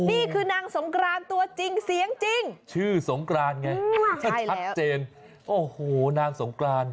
นี่คือนางสงกรานตัวจริงเสียงจริงชื่อสงกรานไงก็ชัดเจนโอ้โหนางสงกราน